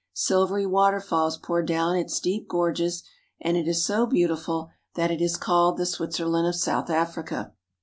Silvery waterfalls pour down I its deep gorges, and it is so beautiful that it is called the Switzerland of South Africa.